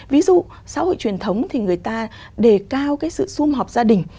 ví dụ xã hội truyền thống thì người ta đề cao cái sự xung họp gia đình